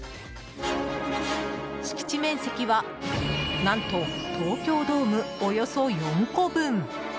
敷地面積は何と、東京ドームおよそ４個分。